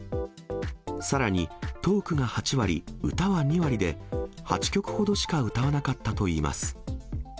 さらに、トークが８割、歌は２割で、８曲ほどしか歌わなかったといいます。